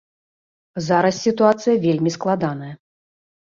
Зараз сітуацыя вельмі складаная.